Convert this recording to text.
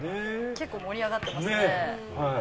結構、盛り上がってますね。